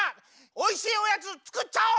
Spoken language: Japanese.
おいしいおやつつくっちゃおう！